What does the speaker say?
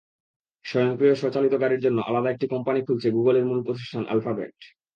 স্বয়ংক্রিয় স্বচালিত গাড়ির জন্য আলাদা একটি কোম্পানি খুলছে গুগলের মূল প্রতিষ্ঠান অ্যালফাবেট।